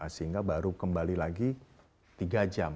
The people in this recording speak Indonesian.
sehingga baru kembali lagi tiga jam